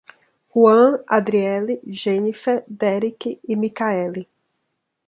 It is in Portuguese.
Ruam, Adriely, Genifer, Derick e Mikaeli